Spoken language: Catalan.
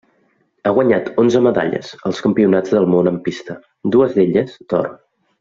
Ha guanyat onze medalles als Campionats del Món en pista, dues d'elles d'or.